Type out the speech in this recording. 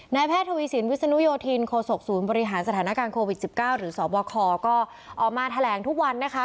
แพทย์ทวีสินวิศนุโยธินโคศกศูนย์บริหารสถานการณ์โควิด๑๙หรือสบคก็ออกมาแถลงทุกวันนะคะ